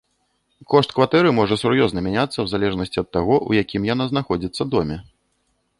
Кошт кватэры можа сур'ёзна мяняцца ў залежнасці ад таго, у якім яна знаходзіцца доме.